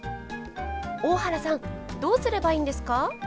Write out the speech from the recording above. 大原さんどうすればいいんですか？